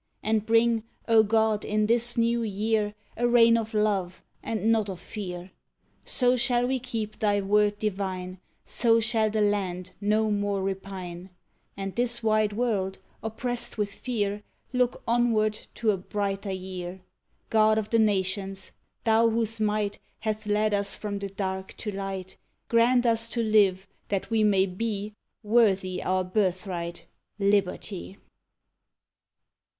And bring, O God, in this New Year, A reign of Love and not of Fear! So shall we keep Thy word divine; So shall the land no more repine; And this wide world, oppressed with fear, Look onward to a brighter year. God of the Nations! Thou whose might Hath led us from the dark to light, Grant us to live that we may be Worthy our birthright Liberty!